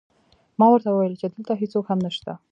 ما ورته وویل چې دلته هېڅوک هم نشته